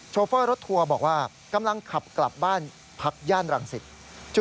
โฟเฟอร์รถทัวร์บอกว่ากำลังขับกลับบ้านพักย่านรังสิต